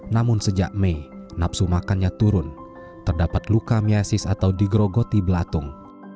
namun sejak mei napsu makannya turun terdapat luka miasis atau digrogoti belatung